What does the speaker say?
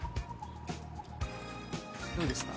どうですか？